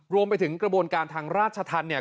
รวมไปถึงกระบวนการทางราชธรรมเนี่ย